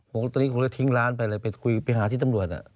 ผมตอนนี้คงจะทิ้งร้านไปเลยไปคุยไปหาที่ตำรวจ